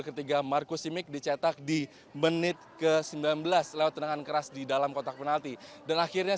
ketiga marcus simic dicetak di menit ke sembilan belas lewat tendangan keras di dalam kotak penalti dan akhirnya